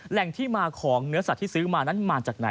แหล่งที่มาของเนื้อสัตว์ที่ซื้อมานั้นมาจากไหน